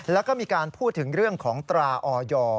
แล้วก็มีการพูดถึงเรื่องของตราออย